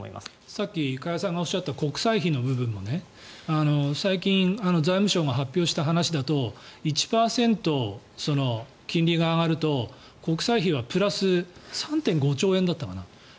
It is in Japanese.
さっき加谷さんがおっしゃった国債費の部分も最近、財務省が発表した話だと１％、金利が上がると国債費がプラス３．５兆円だったかな。